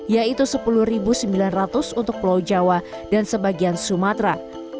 yaitu rp sepuluh sembilan ratus untuk pulau jawa dan sebagian sumatera